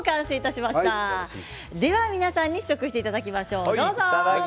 皆さんに試食していただきましょう。